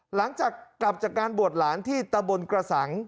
หลังจากกลับจากการบวชหลานที่ตะบนกระสัง